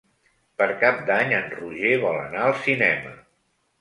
Per Cap d'Any en Roger vol anar al cinema.